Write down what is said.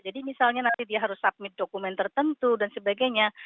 jadi misalnya nanti dia harus submit dokumen tertentu dan sebagainya